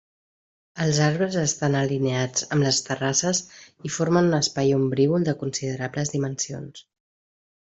Els arbres estan alineats amb les terrasses i formen un espai ombrívol de considerables dimensions.